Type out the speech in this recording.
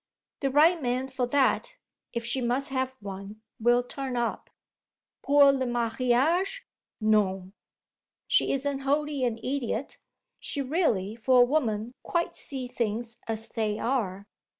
The right man for that, if she must have one, will turn up. 'Pour le mariage, non.' She isn't wholly an idiot; she really, for a woman, quite sees things as they are."